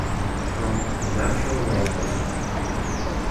From "A Natural Language".